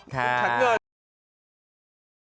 ครับ